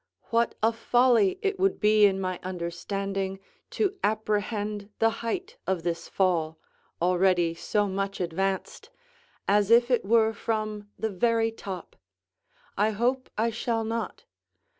What a folly it would be in my understanding to apprehend the height of this fall, already so much advanced, as if it were from the very top! I hope I shall not.